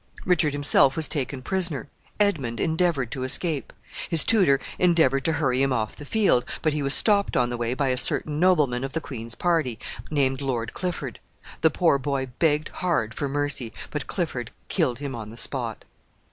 Richard himself was taken prisoner. Edmund endeavored to escape. His tutor endeavored to hurry him off the field, but he was stopped on the way by a certain nobleman of the queen's party, named Lord Clifford. The poor boy begged hard for mercy, but Clifford killed him on the spot.